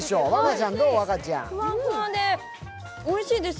ふわふわでおいしいです。